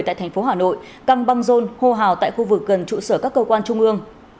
tại thành phố hà nội căng băng rôn hô hào tại khu vực gần trụ sở các cơ quan trung ương